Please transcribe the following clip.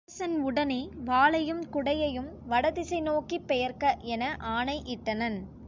அரசன் உடனே, வாளையும், குடையையும் வடதிசை நோக்கிப் பெயர்க்க என ஆணை இட்டனன்.